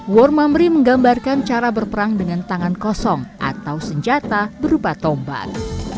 war mamry menggambarkan cara berperang dengan tangan kosong atau senjata berupa tombak